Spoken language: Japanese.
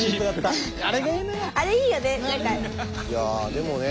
いやあでもね